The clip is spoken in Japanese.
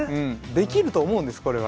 できると思うんです、これは。